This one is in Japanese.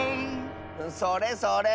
それそれ。